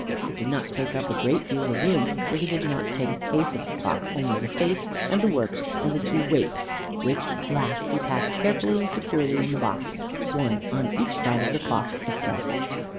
It did not take up a great deal of room, for he did not take the case of the clock, but only the face and the works and the two weights, which last he packed carefully and securely in the box, one on each side of the clock itself.